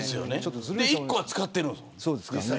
１個は使ってるんですもん。